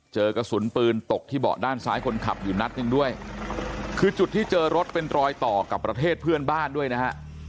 เจอกระสุนปืนตกที่เบาะด้านซ้ายคนขับอยู่นัดหนึ่งด้วยคือจุดที่เจอรถเป็นรอยต่อกับประเทศเพื่อนบ้านด้วยนะฮะ